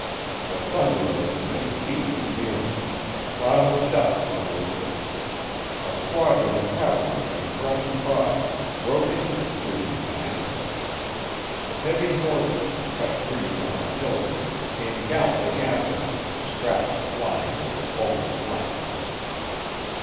The thunder of its many feet was near me; a cloud of dust hung over it. A squadron of cavalry came rushing by and broke into the fleeing mass. Heavy horses, cut free from artillery, came galloping after them, straps flying over foamy flanks.